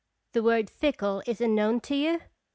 "The word 'fickle' is unknown to you?"